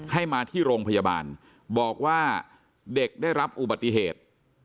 ให้มาที่โรงพยาบาลบอกว่าเด็กได้รับอุบัติเหตุ